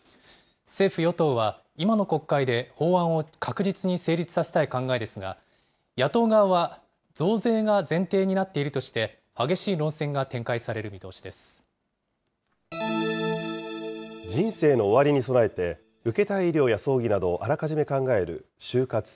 政府・与党は今の国会で法案を確実に成立させたい考えですが、野党側は増税が前提になっているとして、激しい論戦が展開される人生の終わりに備えて、受けたい医療や葬儀などあらかじめ考える終活。